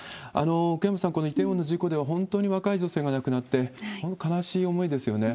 奥山さん、このイテウォンの事故で、本当に若い女性が亡くなって、本当に悲しい思いですよね。